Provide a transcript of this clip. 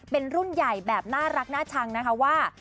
เป็นรุ่นใหญ่แบบน่ารักน่าชังนะคะว่า